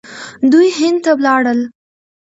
دوی هند ته ولاړل.